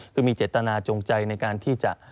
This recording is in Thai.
คือมีเจตนาจงใจในการที่จะ